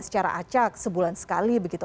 secara acak sebulan sekali begitu